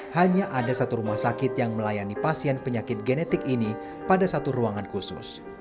hanya ada satu rumah sakit yang melayani pasien penyakit genetik ini pada satu ruangan khusus